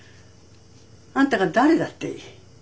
あんたが誰だっていい。